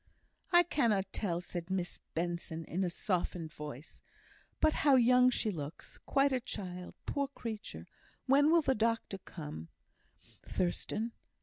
"I cannot tell," said Miss Benson, in a softened voice. "But how young she looks! Quite a child, poor creature! When will the doctor come, Thurstan?